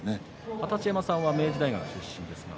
二十山さんは明治大学の出身ですね。